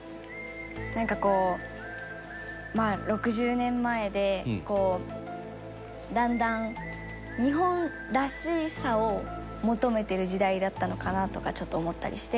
なんかこうまあ６０年前でこうだんだん日本らしさを求めてる時代だったのかなとかちょっと思ったりして。